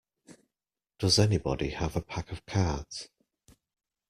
Does anybody have a pack of cards?